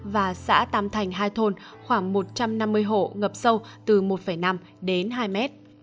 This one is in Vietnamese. và xã tam thành hai thôn khoảng một trăm năm mươi hộ ngập sâu từ một năm đến hai mét